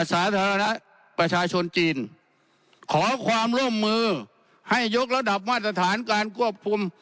สาธารณะประชาชนจีนขอความร่วมมือให้ยกระดับมาตรฐานการควบคุม